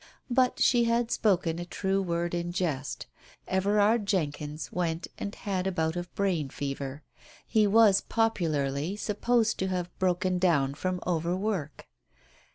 But she had spoken a true word in jest. Everard Jenkyns went and had a bout of brain fever. He was popularly supposed to have broken down from over work.